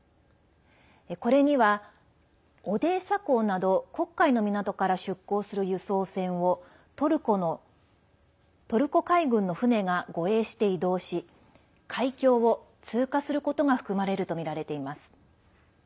これには、オデーサ港など黒海の港から出港する輸送船をトルコ海軍の船が護衛して移動し海峡を通過することが含まれるとみられています。